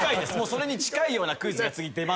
それに近いようなクイズが次出ます。